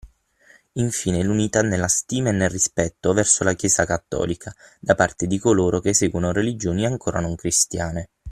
infine l’unità nella stima e nel rispetto verso la chiesa cattolica, da parte di coloro che seguono religioni ancora non cristiane.